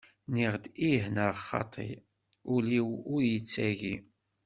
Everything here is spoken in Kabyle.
Nniɣ-d ih neɣ xaṭ, ul-iw ur yettagi.